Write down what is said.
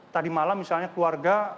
tadi malam misalnya keluarga